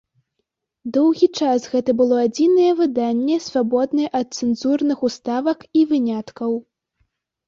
Доўгі час гэта было адзінае выданне, свабоднае ад цэнзурных уставак і выняткаў.